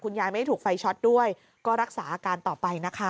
ยายไม่ได้ถูกไฟช็อตด้วยก็รักษาอาการต่อไปนะคะ